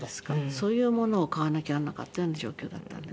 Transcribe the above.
そういうものを買わなきゃならなかったような状況だったんです。